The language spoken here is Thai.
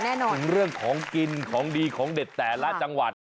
ถึงเรื่องของกินของดีของเด็ดแต่ละจังหวัด